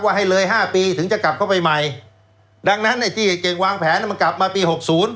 ให้เลยห้าปีถึงจะกลับเข้าไปใหม่ดังนั้นไอ้ที่ไอ้เก่งวางแผนมันกลับมาปีหกศูนย์